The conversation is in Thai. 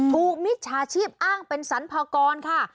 มิจฉาชีพอ้างเป็นสรรพากรค่ะ